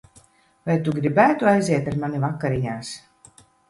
Vai tu gribētu aiziet ar mani vakariņās?